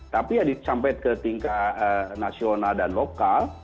tapi ya sampai ke tingkat nasional dan lokal